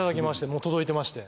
もう届いてまして。